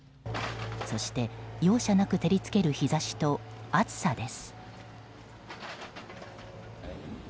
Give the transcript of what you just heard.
そして、容赦なく照りつける日差しと暑さです。